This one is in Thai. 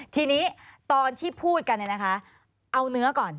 ทีนี้ตอนที่พูดกันเอาเนื้อก่อน